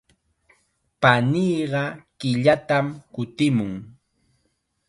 Paniiqa killatam kutimun.